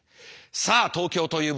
さあ東京という舞台だ！